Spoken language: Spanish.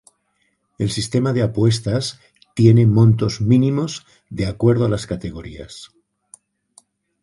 El sistema de apuestas tiene montos mínimos de acuerdo a las categorías.